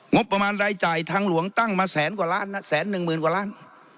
งบประมาณรายจ่ายทางหลวงตั้งมาแสนกว่าล้านนะแสนหนึ่งหมื่นกว่าล้าน